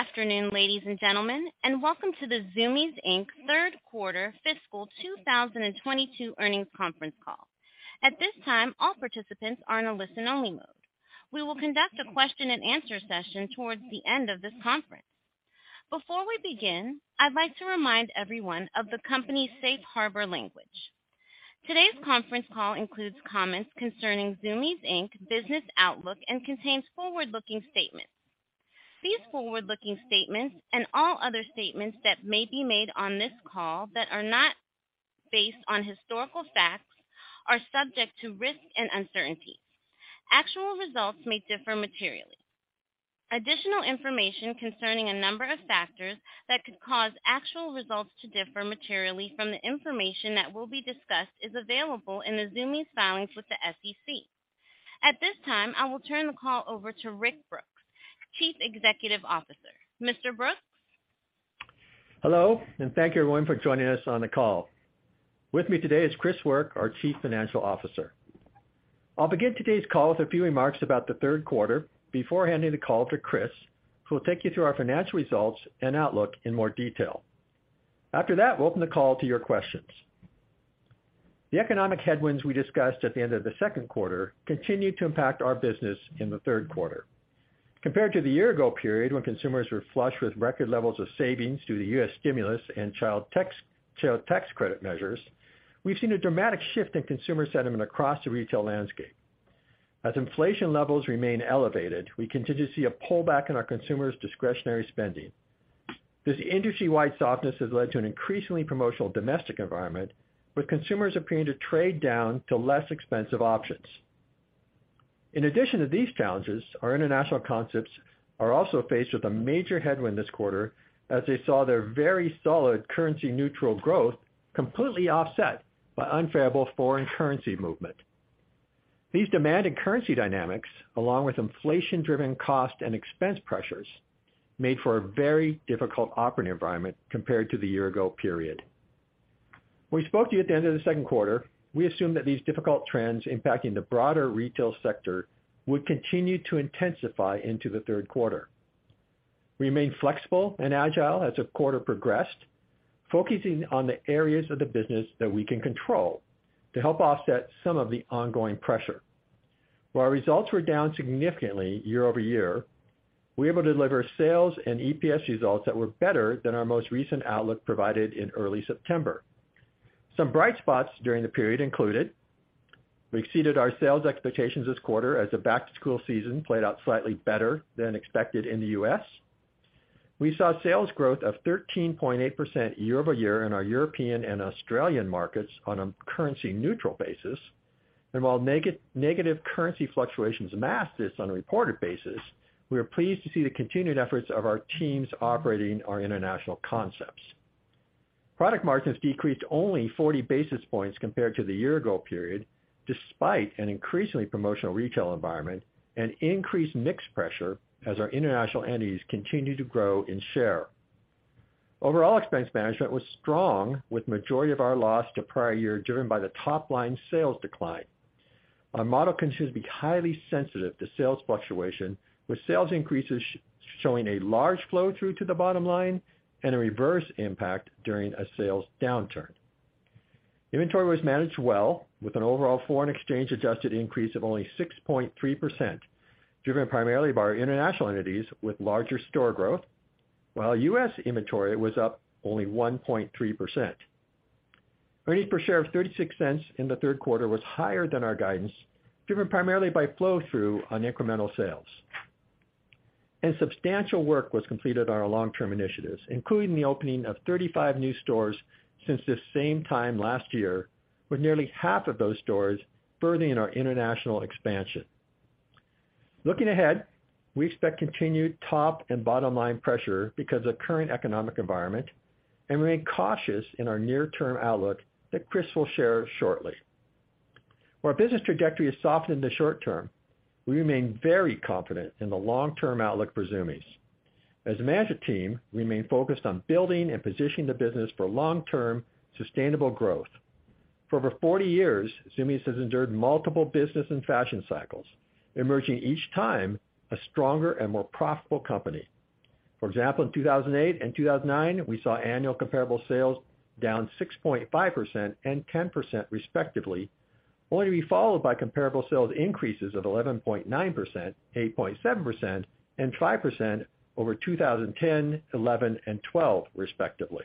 Good afternoon, ladies and gentlemen, and welcome to the Zumiez Inc. Q3 fiscal 2022 Earnings Conference Call. At this time, all participants are in a listen only mode. We will conduct a Q&A session towards the end of this conference. Before we begin, I'd like to remind everyone of the company's Safe Harbor language. Today's conference call includes comments concerning Zumiez Inc. business outlook and contains forward-looking statements. These forward-looking statements and all other statements that may be made on this call that are not based on historical facts are subject to risk and uncertainty. Actual results may differ materially. Additional information concerning a number of factors that could cause actual results to differ materially from the information that will be discussed is available in the Zumiez filings with the SEC. At this time, I will turn the call over to Rick Brooks, Chief Executive Officer. Mr. Brooks. Hello, thank you everyone for joining us on the call. With me today is Chris Work, our Chief Financial Officer. I'll begin today's call with a few remarks about the Q3 before handing the call to Chris, who will take you through our financial results and outlook in more detail. After that, we'll open the call to your questions. The economic headwinds we discussed at the end of the Q2 continued to impact our business in the Q3. Compared to the year ago period when consumers were flush with record levels of savings due to U.S. stimulus and child tax credit measures, we've seen a dramatic shift in consumer sentiment across the retail landscape. As inflation levels remain elevated, we continue to see a pullback in our consumers' discretionary spending. This industry-wide softness has led to an increasingly promotional domestic environment, with consumers appearing to trade down to less expensive options. In addition to these challenges, our international concepts are also faced with a major headwind this quarter as they saw their very solid currency neutral growth completely offset by unfavorable foreign currency movement. These demand and currency dynamics, along with inflation driven cost and expense pressures, made for a very difficult operating environment compared to the year ago period. When we spoke to you at the end of the Q2, we assumed that these difficult trends impacting the broader retail sector would continue to intensify into the Q3. We remain flexible and agile as the quarter progressed, focusing on the areas of the business that we can control to help offset some of the ongoing pressure. While our results were down significantly year-over-year, we were able to deliver sales and EPS results that were better than our most recent outlook provided in early September. Some bright spots during the period included. We exceeded our sales expectations this quarter as the back-to-school season played out slightly better than expected in the U.S. We saw sales growth of 13.8% year-over-year in our European and Australian markets on a currency neutral basis. While negative currency fluctuations amassed this on a reported basis, we are pleased to see the continued efforts of our teams operating our international concepts. Product margins decreased only 40 basis points compared to the year ago period, despite an increasingly promotional retail environment and increased mix pressure as our international entities continue to grow in share. Overall expense management was strong with majority of our loss to prior year, driven by the top line sales decline. Our model continues to be highly sensitive to sales fluctuation, with sales increases showing a large flow through to the bottom line and a reverse impact during a sales downturn. Inventory was managed well with an overall foreign exchange adjusted increase of only 6.3%, driven primarily by our international entities with larger store growth, while U.S. inventory was up only 1.3%. Earnings per share of $0.36 in the Q3 was higher than our guidance, driven primarily by flow through on incremental sales. Substantial work was completed on our long-term initiatives, including the opening of 35 new stores since this same time last year, with nearly half of those stores furthering our international expansion. Looking ahead, we expect continued top and bottom line pressure because of current economic environment and remain cautious in our near term outlook that Chris will share shortly. While business trajectory has softened in the short term, we remain very confident in the long term outlook for Zumiez. As a management team, we remain focused on building and positioning the business for long term sustainable growth. For over 40 years, Zumiez has endured multiple business and fashion cycles, emerging each time a stronger and more profitable company. For example, in 2008 and 2009, we saw annual comparable sales down 6.5% and 10% respectively, only to be followed by comparable sales increases of 11.9%, 8.7%, and 5% over 2010, 2011 and 2012 respectively.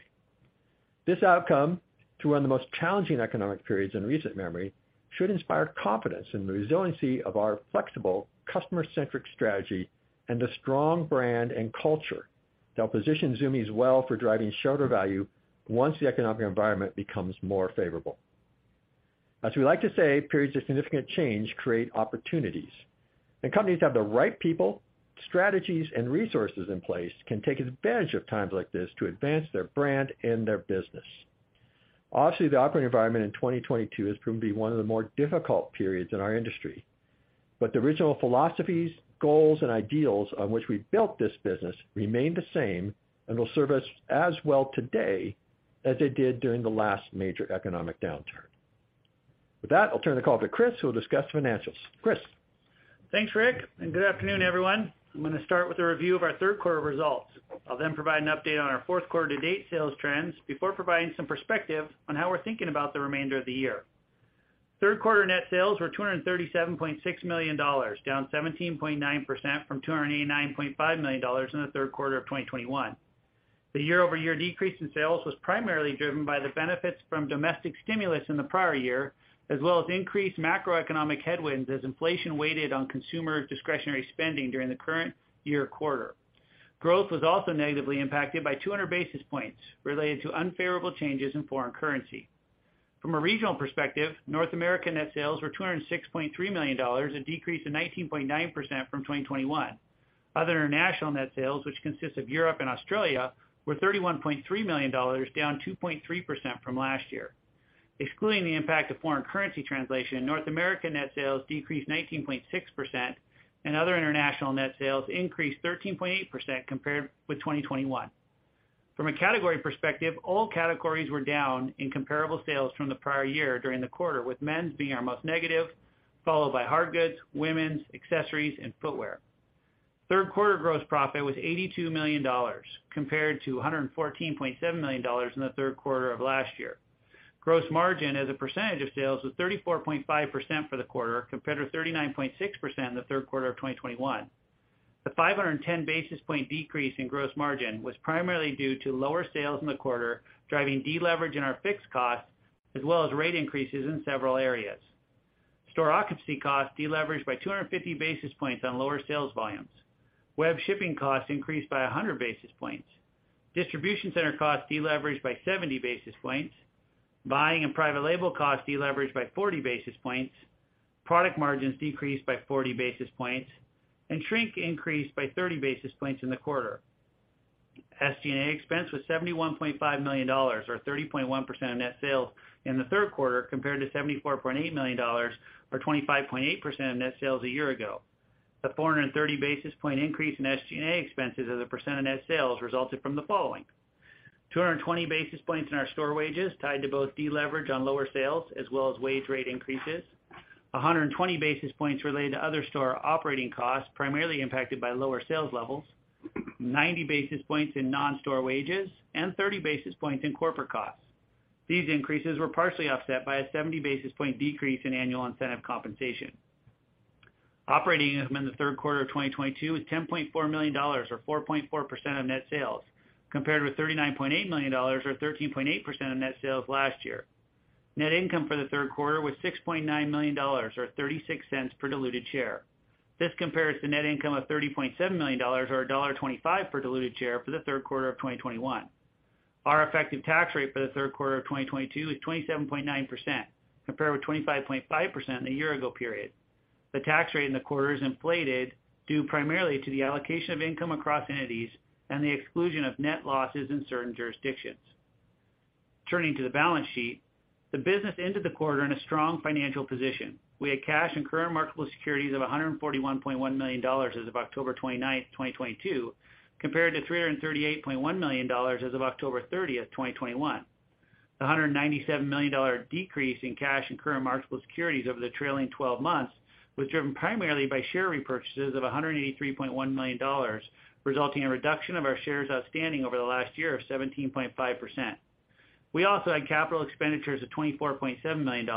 This outcome, through one of the most challenging economic periods in recent memory, should inspire confidence in the resiliency of our flexible customer centric strategy and a strong brand and culture that will position Zumiez well for driving shareholder value once the economic environment becomes more favorable. As we like to say, periods of significant change create opportunities, and companies have the right people, strategies, and resources in place can take advantage of times like this to advance their brand and their business. Obviously, the operating environment in 2022 has proven to be one of the more difficult periods in our industry. The original philosophies, goals, and ideals on which we built this business remain the same and will serve us as well today as they did during the last major economic downturn. With that, I'll turn the call to Chris, who will discuss financials. Chris? Thanks, Rick, and good afternoon, everyone. I'm gonna start with a review of our Q3 results. I'll then provide an update on our Q4 to-date sales trends before providing some perspective on how we're thinking about the remainder of the year. Q3 net sales were $237.6 million, down 17.9% from $289.5 million in the Q3 of 2021. The year-over-year decrease in sales was primarily driven by the benefits from domestic stimulus in the prior year, as well as increased macroeconomic headwinds as inflation weighed on consumer discretionary spending during the current year quarter. Growth was also negatively impacted by 200 basis points related to unfavorable changes in foreign currency. From a regional perspective, North America net sales were $206.3 million, a decrease of 19.9% from 2021. Other international net sales, which consists of Europe and Australia, were $31.3 million, down 2.3% from last year. Excluding the impact of foreign currency translation, North America net sales decreased 19.6%, and other international net sales increased 13.8% compared with 2021. From a category perspective, all categories were down in comparable sales from the prior year during the quarter, with men's being our most negative, followed by hard goods, women's, accessories and footwear. Q3 gross profit was $82 million compared to $114.7 million in the Q3 of last year. Gross margin as a percentage of sales was 34.5% for the quarter, compared to 39.6% in the Q3 of 2021. The 510 basis point decrease in gross margin was primarily due to lower sales in the quarter, driving deleverage in our fixed costs, as well as rate increases in several areas. Store occupancy costs deleveraged by 250 basis points on lower sales volumes. Web shipping costs increased by 100 basis points. Distribution center costs deleveraged by 70 basis points. Buying and private label costs deleveraged by 40 basis points. Product margins decreased by 40 basis points, and shrink increased by 30 basis points in the quarter. SG&A expense was $71.5 million, or 30.1% of net sales in the Q3, compared to $74.8 million, or 25.8% of net sales a year ago. The 430 basis point increase in SG&A expenses as a % of net sales resulted from the following. 220 basis points in our store wages tied to both deleverage on lower sales as well as wage rate increases. 120 basis points related to other store operating costs, primarily impacted by lower sales levels. 90 basis points in non-store wages, and 30 basis points in corporate costs. These increases were partially offset by a 70 basis point decrease in annual incentive compensation. Operating income in the Q3 of 2022 is $10.4 million, or 4.4% of net sales, compared with $39.8 million, or 13.8% of net sales last year. Net income for the Q3 was $6.9 million or $0.36 per diluted share. This compares to net income of $30.7 million or $1.25 per diluted share for the Q3 of 2021. Our effective tax rate for the Q3 of 2022 is 27.9%, compared with 25.5% a year ago period. The tax rate in the quarter is inflated due primarily to the allocation of income across entities and the exclusion of net losses in certain jurisdictions. Turning to the balance sheet, the business ended the quarter in a strong financial position. We had cash and current marketable securities of $141.1 million as of October 29th, 2022, compared to $338.1 million as of October 30th, 2021. The $197 million decrease in cash and current marketable securities over the trailing 12 months was driven primarily by share repurchases of $183.1 million, resulting in reduction of our shares outstanding over the last year of 17.5%. We also had capital expenditures of $24.7 million,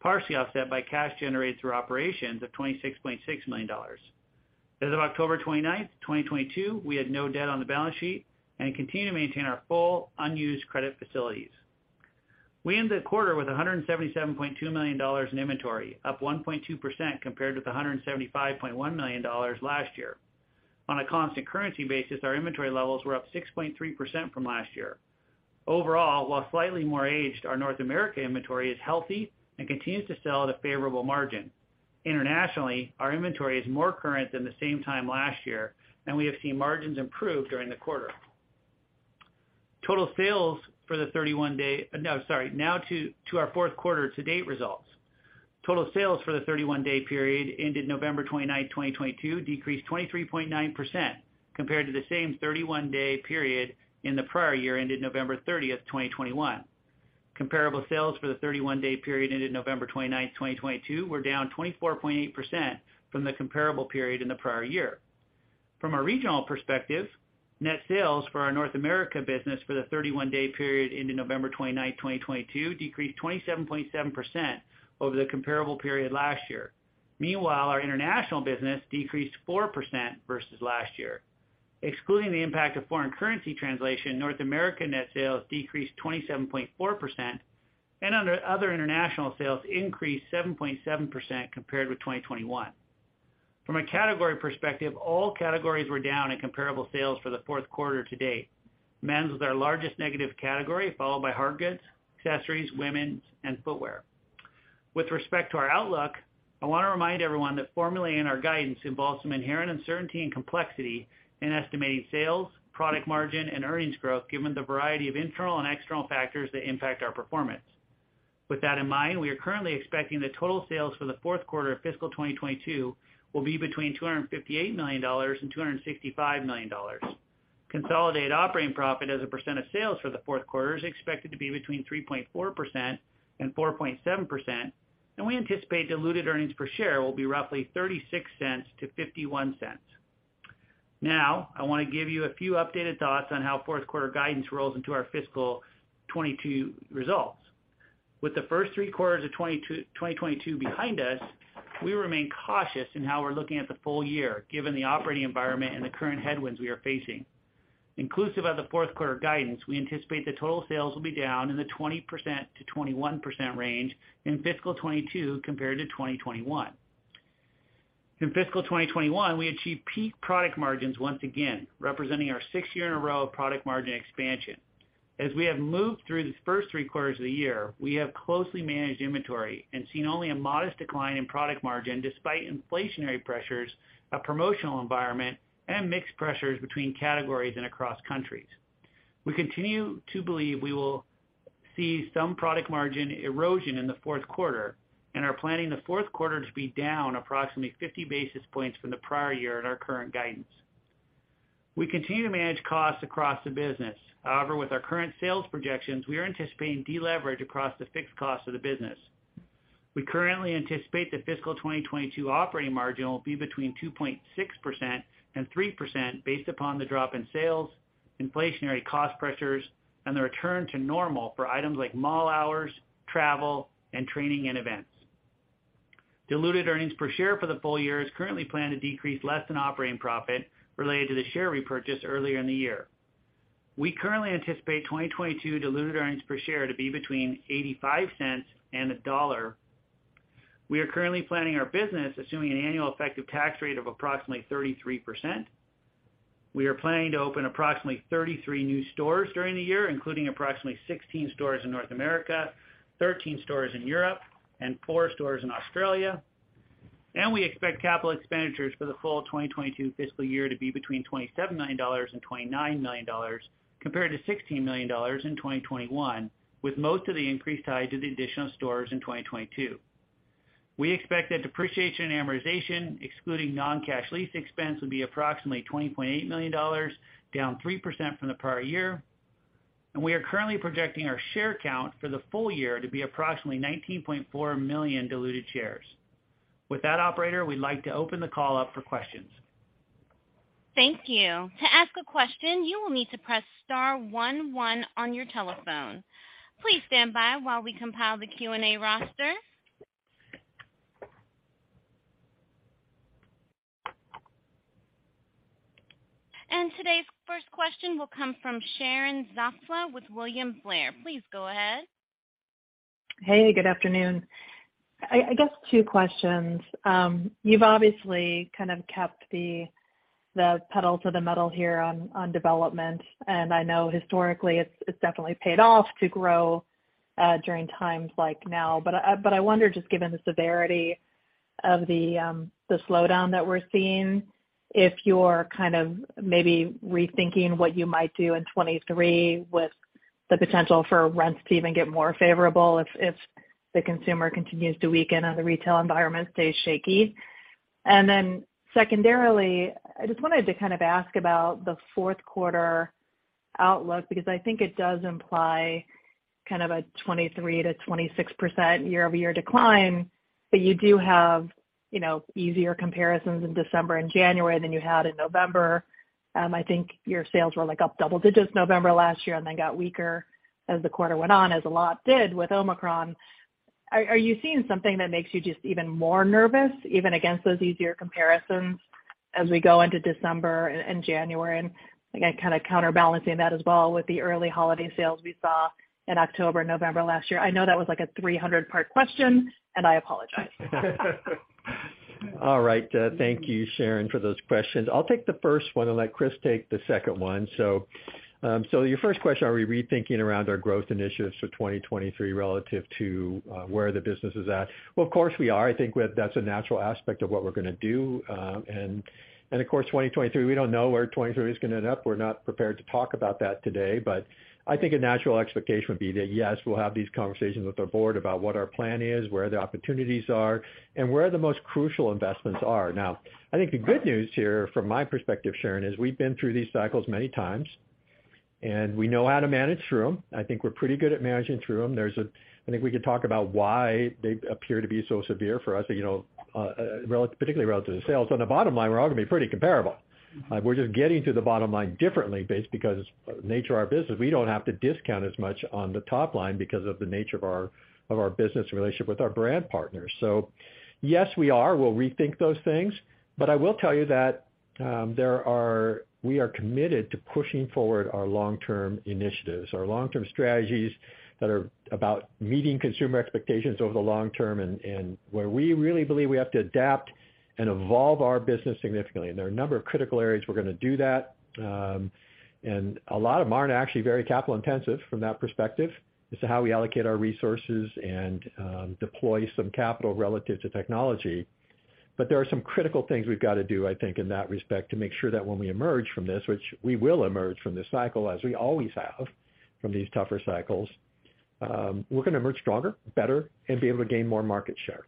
partially offset by cash generated through operations of $26.6 million. As of October 29th, 2022, we had no debt on the balance sheet and continue to maintain our full unused credit facilities. We ended the quarter with $177.2 million in inventory, up 1.2% compared with $175.1 million last year. On a constant currency basis, our inventory levels were up 6.3% from last year. Overall, while slightly more aged, our North America inventory is healthy and continues to sell at a favorable margin. Internationally, our inventory is more current than the same time last year, and we have seen margins improve during the quarter. No, sorry. Now to our Q4 to date results. Total sales for the 31-day period ended November 29th, 2022, decreased 23.9% compared to the same 31-day period in the prior year ended November 30th, 2021. Comparable sales for the 31-day period ended November 29th, 2022 were down 24.8% from the comparable period in the prior year. From a regional perspective, net sales for our North America business for the 31-day period ended November 29th, 2022 decreased 27.7% over the comparable period last year. Meanwhile, our international business decreased 4% versus last year. Excluding the impact of foreign currency translation, North America net sales decreased 27.4%, and other international sales increased 7.7% compared with 2021. From a category perspective, all categories were down in comparable sales for the Q4 to date. Men's was our largest negative category, followed by hardgoods, accessories, women's and footwear. With respect to our outlook, I wanna remind everyone that formulating our guidance involves some inherent uncertainty and complexity in estimating sales, product margin, and earnings growth given the variety of internal and external factors that impact our performance. With that in mind, we are currently expecting the total sales for the Q4 of fiscal 2022 will be between $258 million and $265 million. Consolidated operating profit as a percent of sales for the Q4 is expected to be between 3.4% and 4.7%, and we anticipate diluted earnings per share will be roughly $0.36 to $0.51. Now, I wanna give you a few updated thoughts on how Q4 guidance rolls into our fiscal 2022 results. With the first three quarters of 2022 behind us, we remain cautious in how we're looking at the full year, given the operating environment and the current headwinds we are facing. Inclusive of the Q4 guidance, we anticipate the total sales will be down in the 20% to 21% range in fiscal 2022 compared to 2021. In fiscal 2021, we achieved peak product margins once again, representing our sixth year in a row of product margin expansion. As we have moved through the first three quarters of the year, we have closely managed inventory and seen only a modest decline in product margin despite inflationary pressures, a promotional environment, and mixed pressures between categories and across countries. We continue to believe we will see some product margin erosion in the Q4 and are planning the Q4 to be down approximately 50 basis points from the prior year in our current guidance. We continue to manage costs across the business. However, with our current sales projections, we are anticipating deleverage across the fixed cost of the business. We currently anticipate the fiscal 2022 operating margin will be between 2.6% and 3% based upon the drop in sales, inflationary cost pressures, and the return to normal for items like mall hours, travel, and training and events. Diluted earnings per share for the full year is currently planned to decrease less than operating profit related to the share repurchase earlier in the year. We currently anticipate 2022 diluted earnings per share to be between $0.85 and $1.00. We are currently planning our business assuming an annual effective tax rate of approximately 33%. We are planning to open approximately 33 new stores during the year, including approximately 16 stores in North America, 13 stores in Europe, and four stores in Australia. We expect capital expenditures for the full 2022 fiscal year to be between $27 million and $29 million compared to $16 million in 2021, with most of the increase tied to the additional stores in 2022. We expect that depreciation and amortization, excluding non-cash lease expense, will be approximately $20.8 million, down 3% from the prior year. We are currently projecting our share count for the full year to be approximately 19.4 million diluted shares. With that, operator, we'd like to open the call up for questions. Thank you. To ask a question, you will need to press star one one on your telephone. Please stand by while we compile the Q&A roster. Today's first question will come from Sharon Zackfia with William Blair. Please go ahead. Hey, good afternoon. I guess two questions. You've obviously kind of kept the pedal to the metal here on development, and I know historically it's definitely paid off to grow during times like now. I wonder, just given the severity of the slowdown that we're seeing, if you're kind of maybe rethinking what you might do in 2023 with the potential for rents to even get more favorable if the consumer continues to weaken and the retail environment stays shaky. Secondarily, I just wanted to kind of ask about the Q4 outlook because I think it does imply kind of a 23% to 26% year-over-year decline. You do have, you know, easier comparisons in December and January than you had in November. I think your sales were, like, up double digits November last year and then got weaker as the quarter went on, as a lot did with Omicron. Are you seeing something that makes you just even more nervous even against those easier comparisons as we go into December and January, again, kind of counterbalancing that as well with the early holiday sales we saw in October and November last year? I know that was like a 300-part question, and I apologize. All right. Thank you, Sharon, for those questions. I'll take the first one and let Chris take the second one. Your first question, are we rethinking around our growth initiatives for 2023 relative to where the business is at? Well, of course, we are. I think that's a natural aspect of what we're gonna do. Of course, 2023, we don't know where 2023 is gonna end up. We're not prepared to talk about that today. I think a natural expectation would be that, yes, we'll have these conversations with our board about what our plan is, where the opportunities are, and where the most crucial investments are. I think the good news here from my perspective, Sharon, is we've been through these cycles many times, and we know how to manage through them. I think we're pretty good at managing through them. I think we could talk about why they appear to be so severe for us, you know, relative, particularly relative to sales. On the bottom line, we're all gonna be pretty comparable. We're just getting to the bottom line differently because nature of our business, we don't have to discount as much on the top line because of the nature of our business relationship with our brand partners. Yes, we are. We'll rethink those things. I will tell you that, we are committed to pushing forward our long-term initiatives, our long-term strategies that are about meeting consumer expectations over the long term and where we really believe we have to adapt and evolve our business significantly. There are a number of critical areas we're gonna do that. A lot of them aren't actually very capital intensive from that perspective as to how we allocate our resources and deploy some capital relative to technology. There are some critical things we've gotta do, I think, in that respect, to make sure that when we emerge from this, which we will emerge from this cycle, as we always have from these tougher cycles, we're gonna emerge stronger, better, and be able to gain more market share.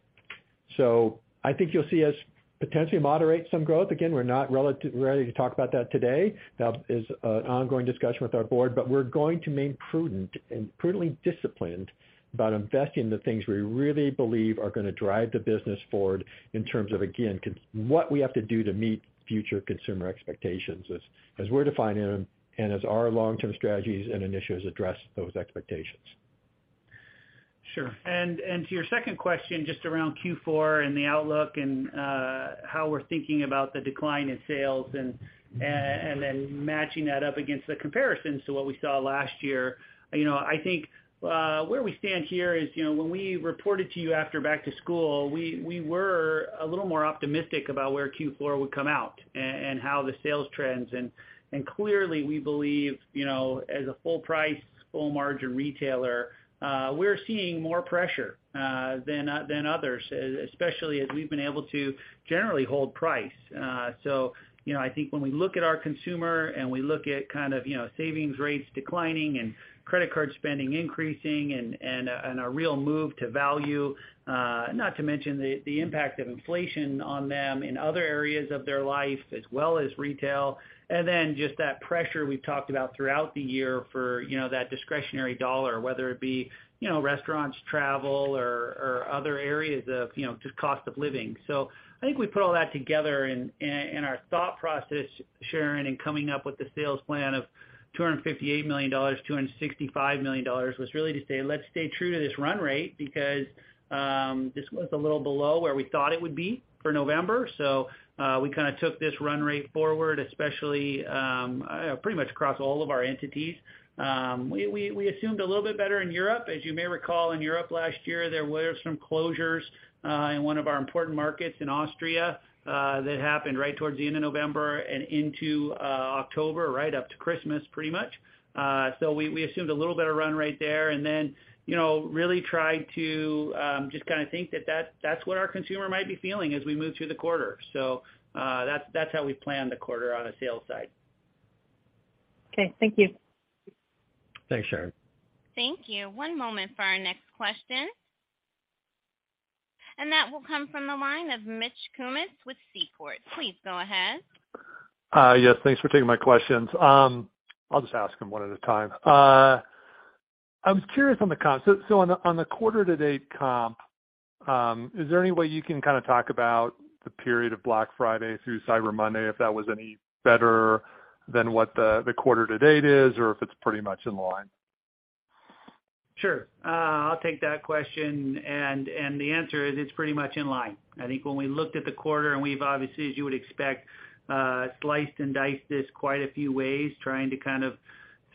I think you'll see us potentially moderate some growth. Again, we're not relative-ready to talk about that today. That is an ongoing discussion with our board, but we're going to remain prudent and prudently disciplined about investing in the things we really believe are gonna drive the business forward in terms of, again, what we have to do to meet future consumer expectations as we're defining them and as our long-term strategies and initiatives address those expectations. Sure. To your second question, just around Q4 and the outlook and how we're thinking about the decline in sales and then matching that up against the comparisons to what we saw last year. You know, I think where we stand here is, you know, when we reported to you after back to school, we were a little more optimistic about where Q4 would come out and how the sales trends. Clearly, we believe, you know, as a full price, full margin retailer, we're seeing more pressure than others, especially as we've been able to generally hold price. You know, I think when we look at our consumer and we look at kind of, you know, savings rates declining and credit card spending increasing and a, and a real move to value, not to mention the impact of inflation on them in other areas of their life as well as retail. Just that pressure we've talked about throughout the year for, you know, that discretionary dollar, whether it be, you know, restaurants, travel or other areas of, you know, just cost of living. I think we put all that together in our thought process, Sharon, and coming up with the sales plan of $258 million, $265 million, was really to say, let's stay true to this run rate because this was a little below where we thought it would be for November. We kinda took this run rate forward, especially pretty much across all of our entities. We assumed a little bit better in Europe. As you may recall, in Europe last year, there was some closures in one of our important markets in Austria that happened right towards the end of November and into October, right up to Christmas, pretty much. We assumed a little better run rate there. you know, really tried to, just kinda think that that's what our consumer might be feeling as we move through the quarter. That's how we planned the quarter on a sales side. Okay. Thank you. Thanks, Sharon. Thank you. One moment for our next question. That will come from the line of Mitch Kummetz with Seaport Research Partners. Please go ahead. Yes, thanks for taking my questions. I'll just ask them one at a time. I was curious on the comp. On the quarter to date comp, is there any way you can kind of talk about the period of Black Friday through Cyber Monday, if that was any better than what the quarter to date is, or if it's pretty much in line? Sure. I'll take that question. The answer is, it's pretty much in line. I think when we looked at the quarter and we've obviously, as you would expect, sliced and diced this quite a few ways, trying to kind of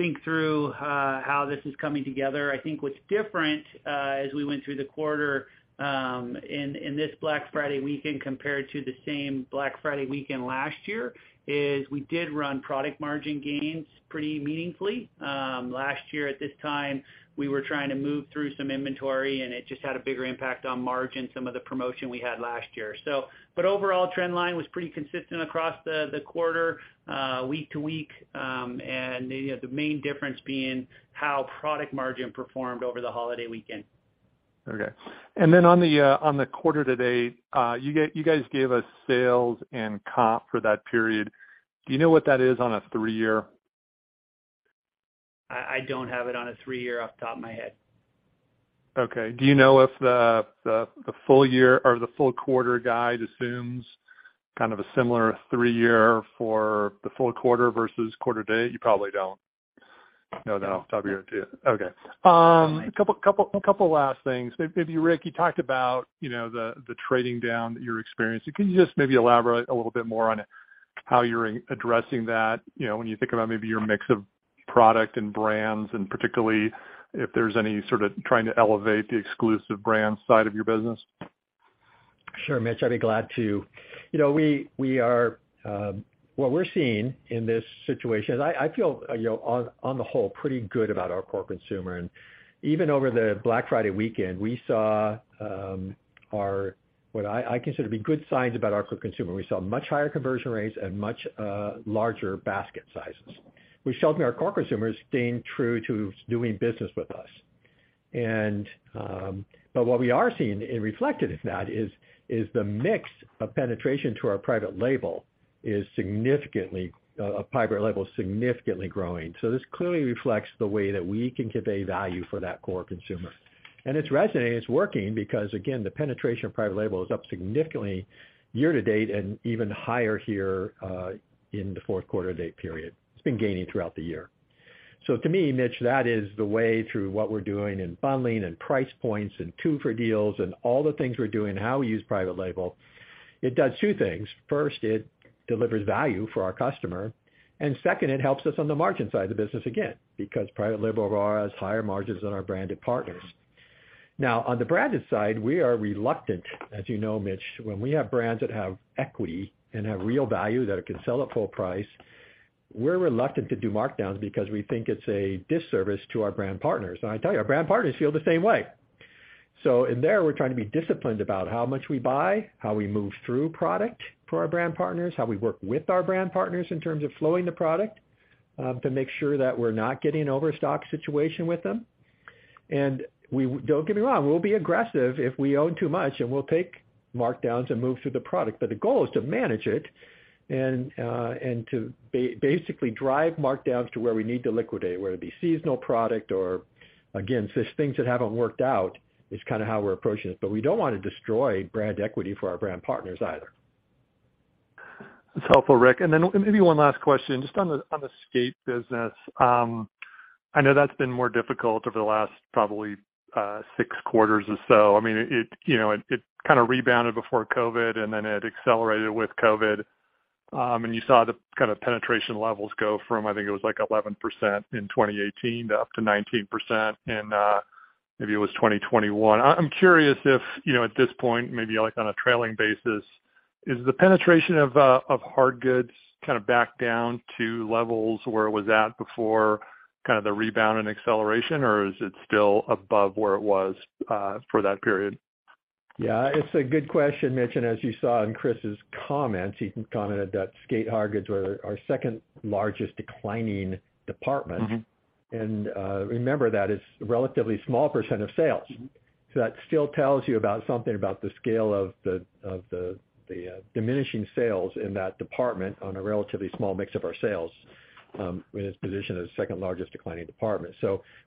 think through, how this is coming together. I think what's different, as we went through the quarter, in this Black Friday weekend compared to the same Black Friday weekend last year, is we did run product margin gains pretty meaningfully. Last year at this time, we were trying to move through some inventory, and it just had a bigger impact on margin, some of the promotion we had last year. Overall, trend line was pretty consistent across the quarter, week to week, and, you know, the main difference being how product margin performed over the holiday weekend. Okay. On the, on the quarter to date, you guys gave us sales and comp for that period. Do you know what that is on a three-year? I don't have it on a three-year off the top of my head. Do you know if the full year or the full quarter guide assumes kind of a similar three-year for the full quarter versus quarter to date? You probably don't. No. No doubt. That'd be okay. A couple last things. Maybe Rick, you talked about, you know, the trading down that you're experiencing. Can you just maybe elaborate a little bit more on how you're addressing that, you know, when you think about maybe your mix of product and brands, and particularly if there's any sort of trying to elevate the exclusive brand side of your business? Sure, Mitch, I'd be glad to. You know, we are. What we're seeing in this situation, I feel, you know, on the whole, pretty good about our core consumer. Even over the Black Friday weekend, we saw what I consider to be good signs about our core consumer. We saw much higher conversion rates and much larger basket sizes, which shows me our core consumer is staying true to doing business with us. What we are seeing and reflected, if not, is the mix of penetration to our private label, our private label is significantly growing. This clearly reflects the way that we can convey value for that core consumer. It's resonating, it's working because, again, the penetration of private label is up significantly year-to-date and even higher here in the Q4 to-date period. It's been gaining throughout the year. To me, Mitch, that is the way through what we're doing in bundling and price points and two-for deals and all the things we're doing, how we use private label, it does two things. First, it delivers value for our customer. Second, it helps us on the margin side of the business again, because private label overall has higher margins than our branded partners. Now, on the branded side, we are reluctant, as you know, Mitch, when we have brands that have equity and have real value that it can sell at full price, we're reluctant to do markdowns because we think it's a disservice to our brand partners. I tell you, our brand partners feel the same way. In there, we're trying to be disciplined about how much we buy, how we move through product for our brand partners, how we work with our brand partners in terms of flowing the product. To make sure that we're not getting overstock situation with them. Don't get me wrong, we'll be aggressive if we own too much, and we'll take markdowns and move through the product. The goal is to manage it and to basically drive markdowns to where we need to liquidate, whether it be seasonal product or again, just things that haven't worked out is kind of how we're approaching it. We don't want to destroy brand equity for our brand partners either. That's helpful, Rick. Then maybe one last question just on the, on the skate business. I know that's been more difficult over the last probably, six quarters or so. I mean, it, you know, it kind of rebounded before COVID, and then it accelerated with COVID. You saw the kind of penetration levels go from, I think it was like 11% in 2018 to up to 19% in, maybe it was 2021. I'm curious if, you know, at this point, maybe like on a trailing basis, is the penetration of hardgoods kind of back down to levels where it was at before kind of the rebound and acceleration, or is it still above where it was, for that period? Yeah, it's a good question, Mitch. As you saw in Chris's comments, he commented that skate hardgoods were our second largest declining department. Mm-hmm. Remember that it's a relatively small percent of sales. Mm-hmm. That still tells you about something about the scale of the diminishing sales in that department on a relatively small mix of our sales, in its position as second largest declining department.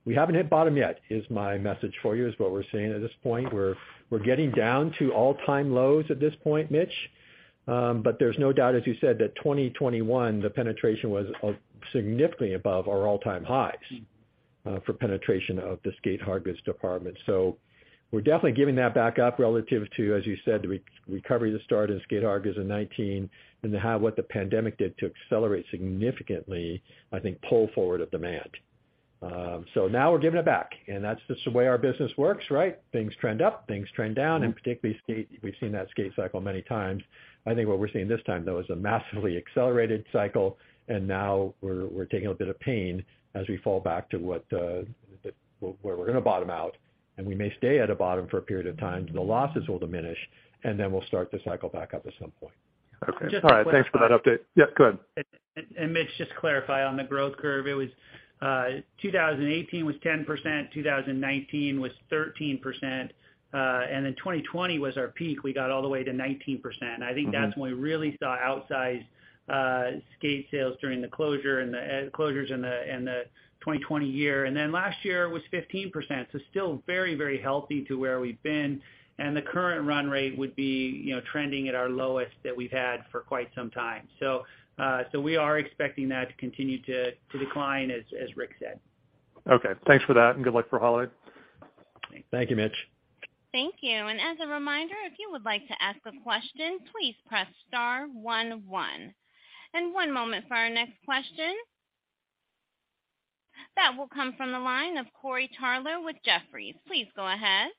We haven't hit bottom yet, is my message for you, is what we're seeing at this point. We're getting down to all time lows at this point, Mitch. There's no doubt, as you said, that 2021, the penetration was significantly above our all time highs Mm-hmm. for penetration of the skate hardgoods department. We're definitely giving that back up relative to, as you said, the re-recovery that started in skate hardgoods in 2019 and what the pandemic did to accelerate significantly, I think, pull forward of demand. Now we're giving it back. That's just the way our business works, right? Things trend up, things trend down. Particularly skate, we've seen that skate cycle many times. I think what we're seeing this time, though, is a massively accelerated cycle. Now we're taking a bit of pain as we fall back to what where we're going to bottom out. We may stay at a bottom for a period of time till the losses will diminish, and then we'll start the cycle back up at some point. Okay. All right. Thanks for that update. Just to clarify. Yeah, go ahead. Mitch, just to clarify on the growth curve, it was 2018 was 10%, 2019 was 13%, and then 2020 was our peak. We got all the way to 19%. Mm-hmm. I think that's when we really saw outsized skate sales during the closure and the closures in the 2020 year. Then last year it was 15%, so still very, very healthy to where we've been. The current run rate would be, you know, trending at our lowest that we've had for quite some time. So we are expecting that to continue to decline, as Rick said. Okay, thanks for that and good luck for holiday. Thank you, Mitch. Thank you. As a reminder, if you would like to ask a question, please press star one one. One moment for our next question. That will come from the line of Corey Tarlowe with Jefferies. Please go ahead.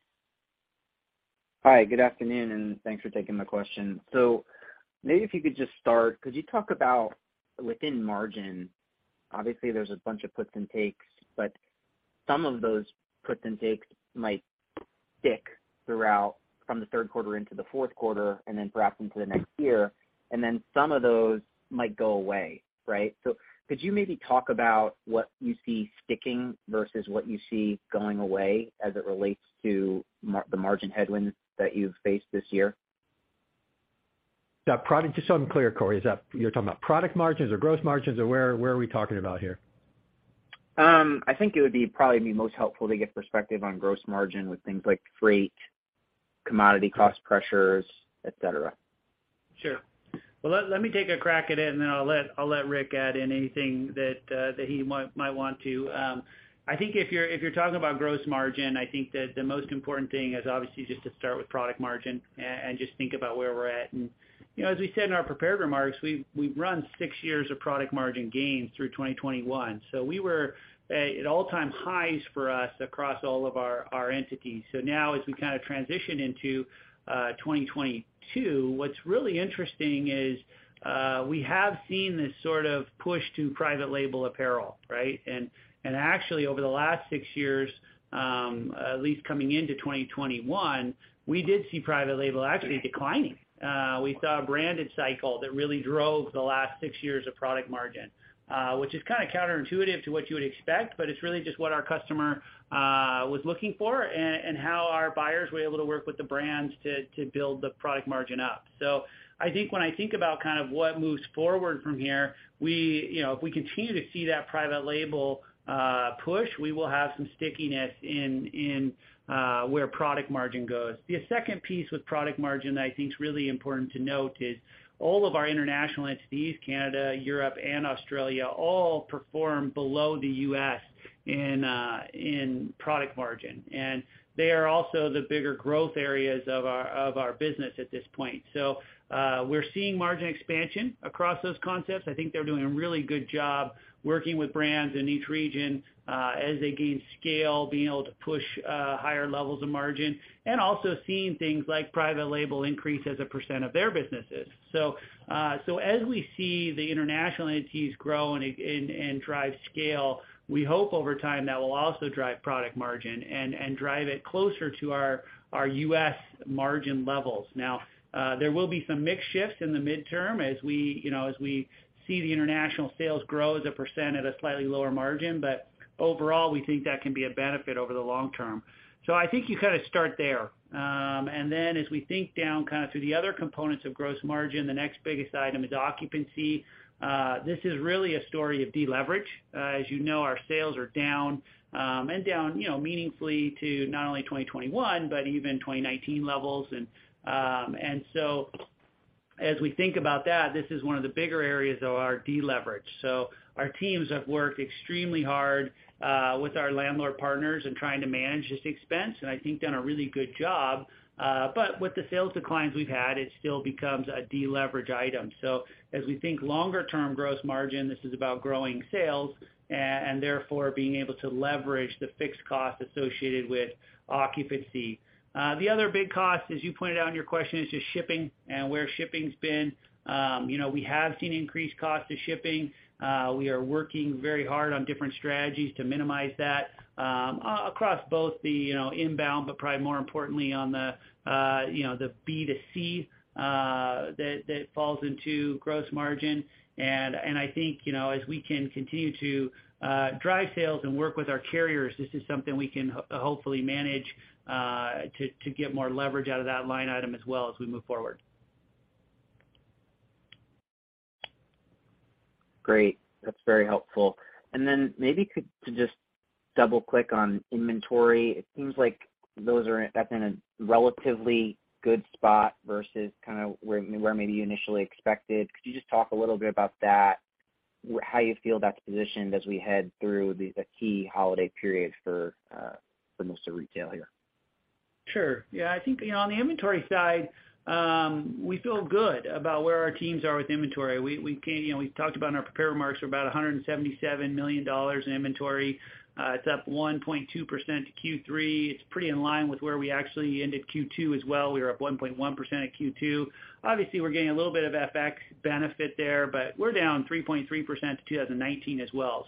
Hi, good afternoon, and thanks for taking my question. maybe if you could just start, could you talk about within margin, obviously there's a bunch of puts and takes, but some of those puts and takes might stick throughout from the Q3 into the Q4 and then perhaps into the next year, and then some of those might go away, right? could you maybe talk about what you see sticking versus what you see going away as it relates to the margin headwinds that you've faced this year? Just so I'm clear, Corey, is that you're talking about product margins or gross margins, or where are we talking about here? I think it would probably be most helpful to get perspective on gross margin with things like freight, commodity cost pressures, et cetera. Sure. Well, let me take a crack at it, and then I'll let Rick add in anything that he might want to. I think if you're talking about gross margin, I think that the most important thing is obviously just to start with product margin and just think about where we're at. You know, as we said in our prepared remarks, we've run six years of product margin gains through 2021. We were at all time highs for us across all of our entities. Now as we kind of transition into 2022, what's really interesting is we have seen this sort of push to private label apparel, right? Actually over the last six years, at least coming into 2021, we did see private label actually declining. We saw a branded cycle that really drove the last six years of product margin, which is kind of counterintuitive to what you would expect, but it's really just what our customer was looking for and how our buyers were able to work with the brands to build the product margin up. I think when I think about kind of what moves forward from here, we, you know, if we continue to see that private label push, we will have some stickiness in where product margin goes. The second piece with product margin that I think is really important to note is all of our international entities, Canada, Europe and Australia, all perform below the U.S. in product margin. They are also the bigger growth areas of our business at this point. We're seeing margin expansion across those concepts. I think they're doing a really good job working with brands in each region, as they gain scale, being able to push higher levels of margin and also seeing things like private label increase as a % of their businesses. As we see the international entities grow and, and drive scale, we hope over time that will also drive product margin and drive it closer to our U.S. margin levels. Now, there will be some mix shifts in the midterm as we, you know, as we see the international sales grow as a % at a slightly lower margin. Overall, we think that can be a benefit over the long term. I think you kind of start there. As we think down kind of through the other components of gross margin, the next biggest item is occupancy. This is really a story of deleverage. As you know, our sales are down, and down, you know, meaningfully to not only 2021 but even 2019 levels. As we think about that, this is one of the bigger areas of our deleverage. Our teams have worked extremely hard, with our landlord partners in trying to manage this expense, and I think done a really good job. With the sales declines we've had, it still becomes a deleverage item. As we think longer term gross margin, this is about growing sales and therefore being able to leverage the fixed cost associated with occupancy. The other big cost, as you pointed out in your question, is just shipping and where shipping's been. You know, we have seen increased cost to shipping. We are working very hard on different strategies to minimize that across both the, you know, inbound, but probably more importantly on the, you know, the B2C that falls into gross margin. I think, you know, as we can continue to drive sales and work with our carriers, this is something we can hopefully manage to get more leverage out of that line item as well as we move forward. Great. That's very helpful. Then maybe to just double click on inventory, it seems like that's in a relatively good spot versus kind of where maybe you initially expected. Could you just talk a little bit about that, how you feel that's positioned as we head through the key holiday period for most of retail here? Sure. Yeah. I think, you know, on the inventory side, we feel good about where our teams are with inventory. We, you know, we talked about in our prepared remarks, we're about $177 million in inventory. It's up 1.2% to Q3. It's pretty in line with where we actually ended Q2 as well. We were up 1.1% at Q2. Obviously, we're getting a little bit of FX benefit there, but we're down 3.3% to 2019 as well.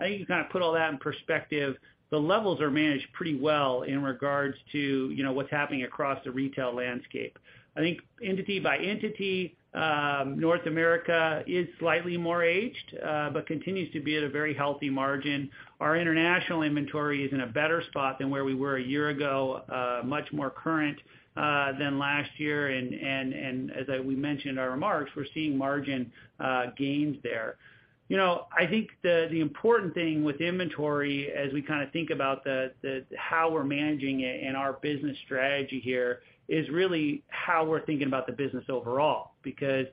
I think you kind of put all that in perspective. The levels are managed pretty well in regards to, you know, what's happening across the retail landscape. I think entity by entity, North America is slightly more aged, but continues to be at a very healthy margin. Our international inventory is in a better spot than where we were a year ago, much more current than last year. As we mentioned in our remarks, we're seeing margin gains there. You know, I think the important thing with inventory as we kinda think about the how we're managing it and our business strategy here is really how we're thinking about the business overall. Because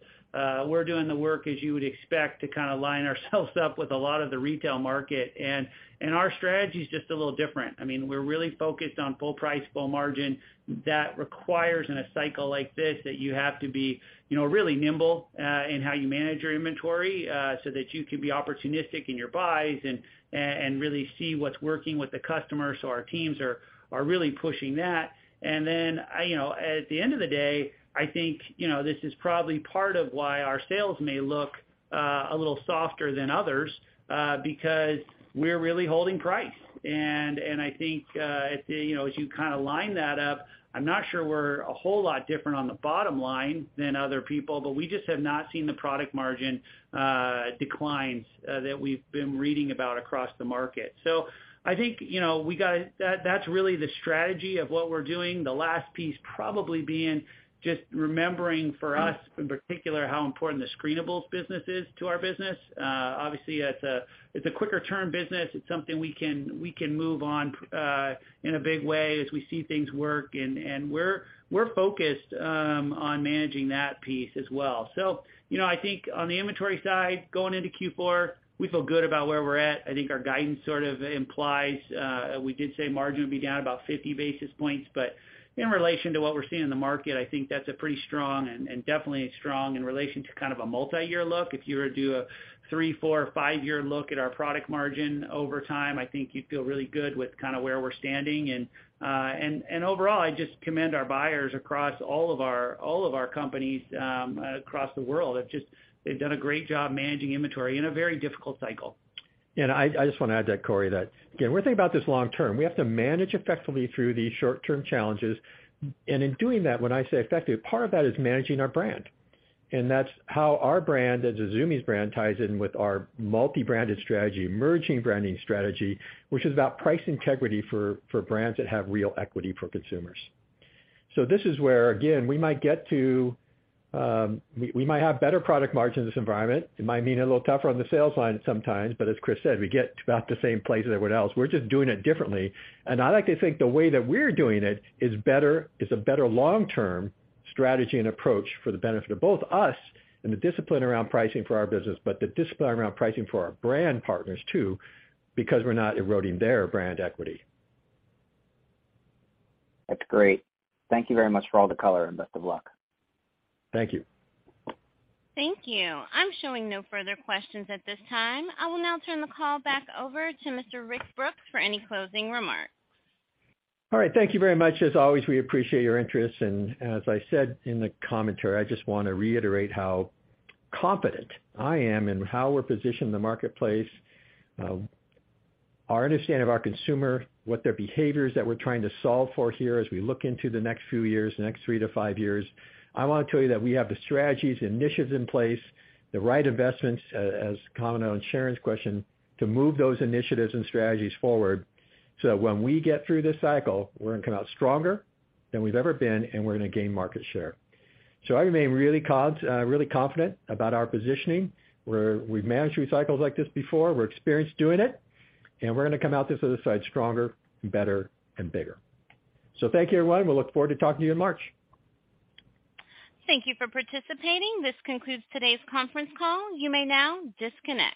we're doing the work as you would expect to kind of line ourselves up with a lot of the retail market, and our strategy is just a little different. I mean, we're really focused on full price, full margin. That requires in a cycle like this that you have to be, you know, really nimble, in how you manage your inventory, so that you can be opportunistic in your buys and really see what's working with the customers. Our teams are really pushing that. Then, you know, at the end of the day, I think, you know, this is probably part of why our sales may look a little softer than others, because we're really holding price. I think, you know, as you kinda line that up, I'm not sure we're a whole lot different on the bottom line than other people, but we just have not seen the product margin, declines, that we've been reading about across the market. I think, you know, that's really the strategy of what we're doing. The last piece probably being just remembering for us, in particular, how important the screenables business is to our business. obviously, it's a, it's a quicker turn business. It's something we can, we can move on in a big way as we see things work. We're, we're focused on managing that piece as well. You know, I think on the inventory side, going into Q4, we feel good about where we're at. I think our guidance sort of implies, we did say margin would be down about 50 basis points. In relation to what we're seeing in the market, I think that's a pretty strong and definitely strong in relation to kind of a multi-year look. If you were to do a three, four, five-year look at our product margin over time, I think you'd feel really good with kinda where we're standing. Overall, I just commend our buyers across all of our companies, across the world. They've done a great job managing inventory in a very difficult cycle. I just wanna add that, Corey, that, again, we're thinking about this long term. We have to manage effectively through these short-term challenges. In doing that, when I say effective, part of that is managing our brand. That's how our brand as a Zumiez brand ties in with our multi-branded strategy, emerging branding strategy, which is about price integrity for brands that have real equity for consumers. This is where, again, we might get to. We might have better product margin in this environment. It might mean a little tougher on the sales line sometimes, but as Chris said, we get to about the same place as everyone else. We're just doing it differently. I like to think the way that we're doing it is better, is a better long-term strategy and approach for the benefit of both us and the discipline around pricing for our business, but the discipline around pricing for our brand partners too, because we're not eroding their brand equity. That's great. Thank you very much for all the color, and best of luck. Thank you. Thank you. I'm showing no further questions at this time. I will now turn the call back over to Mr. Rick Brooks for any closing remarks. All right. Thank you very much. As always, we appreciate your interest. As I said in the commentary, I just wanna reiterate how confident I am in how we're positioned in the marketplace, our understanding of our consumer, what their behaviors that we're trying to solve for here as we look into the next few years, the next three to five years. I wanna tell you that we have the strategies, initiatives in place, the right investments, as commented on Sharon's question, to move those initiatives and strategies forward so that when we get through this cycle, we're gonna come out stronger than we've ever been, and we're gonna gain market share. I remain really confident about our positioning, where we've managed through cycles like this before. We're experienced doing it, and we're gonna come out this other side stronger and better and bigger. Thank you, everyone. We look forward to talking to you in March. Thank you for participating. This concludes today's Conference Call. You may now disconnect.